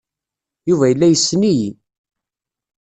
Yuba yella yessen-iyi.